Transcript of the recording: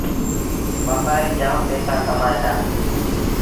وآپآريٚ جآم پئيٚسآ ڪمائيٚݩ دآ